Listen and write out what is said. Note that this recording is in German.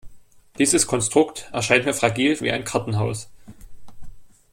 Dieses Konstrukt erscheint mir fragil wie ein Kartenhaus.